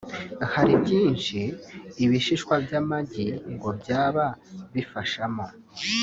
Hari byinshi ibishishwa by’amagi ngo byaba bifashamo